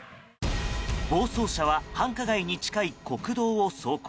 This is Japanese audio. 暴走車は繁華街に近い国道を走行。